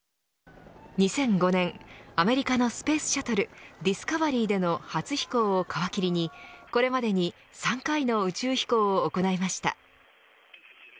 ２００５年アメリカのスペースシャトルディスカバリーでの初飛行を皮切りにこれまでに３回の宇宙飛行を行いました。